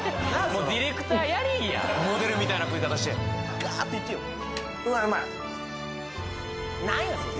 もうディレクターやりいやモデルみたいな食い方してガーッといってよ